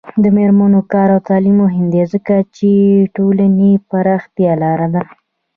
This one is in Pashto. د میرمنو کار او تعلیم مهم دی ځکه چې ټولنې پراختیا لاره ده.